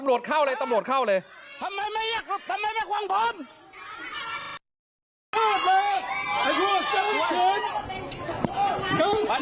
นายบอกว่าประชาที่ปล่อยประชาที่ปล่อย